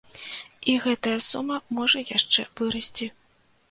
І гэтая сума можа яшчэ вырасці.